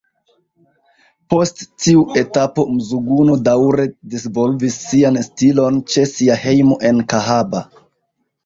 Post tiu etapo Mzuguno daŭre disvolvis sian stilon ĉe sia hejmo en Kahaba.